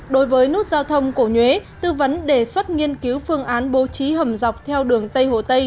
đối với nút giao thông cổ nhuế tư vấn đề xuất nghiên cứu phương án bố trí hầm dọc theo đường tây hồ tây